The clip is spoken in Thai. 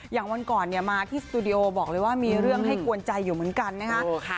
วันก่อนเนี่ยมาที่สตูดิโอบอกเลยว่ามีเรื่องให้กวนใจอยู่เหมือนกันนะคะ